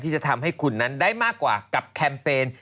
จะทำให้คุณนั้นได้มากกว่ากับแคมเปญ